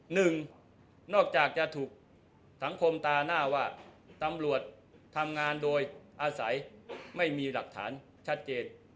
หนึ่งนอกจากจะถูกสังคมตาหน้าว่าตำรวจทำงานโดยอาศัยไม่มีหลักฐานชัดเจน